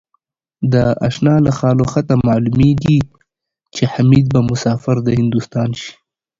د آشناله خال و خطه معلومېږي ـ چې حمیدبه مسافر دهندوستان شي